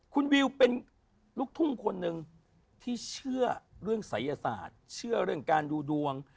คุณวิวเป็นลูกทุ่งคนหนึ่งที่เชื่อเรื่องศัยศาสตร์เชื่อเรื่องการดูดวง